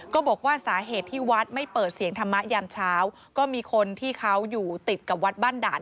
ก็บอกว่าสาเหตุที่วัดไม่เปิดเสียงธรรมะยามเช้าก็มีคนที่เขาอยู่ติดกับวัดบ้านด่าน